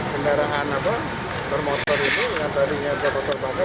kendaraan bermotor itu yang tadinya bermotor motor